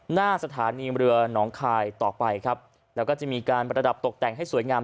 หน้าสถานีเรือหนองคายต่อไปครับแล้วก็จะมีการประดับตกแต่งให้สวยงาม